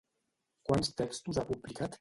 Quants textos ha publicat?